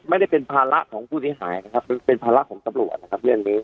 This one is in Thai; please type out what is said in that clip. ไม่ได้เป็นภาระของผู้เสียหายนะครับเป็นภาระของตำรวจนะครับเรื่องนี้